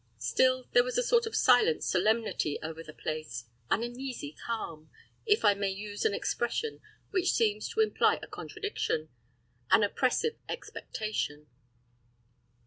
Still, there was a sort of silent solemnity over the place, an uneasy calm, if I may use an expression which seems to imply a contradiction an oppressive expectation.